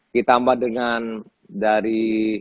ditambah dengan dari